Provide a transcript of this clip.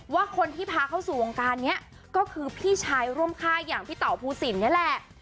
ว่าคนที่พาเข้าสู่วงการนี้ก็คือพี่ชายร่วมค่ายอย่างพี่เต่าภูสินนี่แหละ